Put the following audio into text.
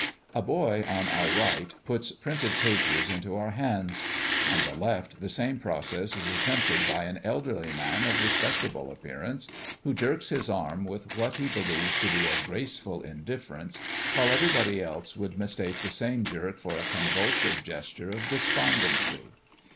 A boy on our right puts printed papers into our hands. On the left, the same process is attempted by an elderly man of respectable appearance, who jerks his arm with what he believes to be a graceful indifference, while everybody else would mistake that same jerk for a convulsive gesture of despondency.